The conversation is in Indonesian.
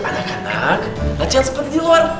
anak anak belajar sepeda di luar